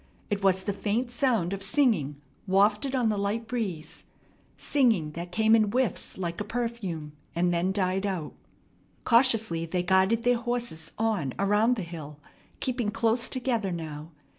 It was the faint sound of singing wafted on the light breeze, singing that came in whiffs like a perfume, and then died out. Cautiously they guided their horses on around the hill, keeping close together now.